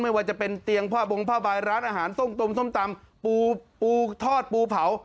ไม่ว่าจะเป็นเตียงผ้าบลงผ้าบายร้านอาหารซมตำปูทอดปูเผา